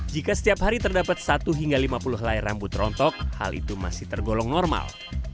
jika setiap hari terdapat satu hingga lima puluh helai rambut rontok hal itu masih tergolong normal